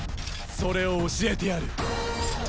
それを教えてやる。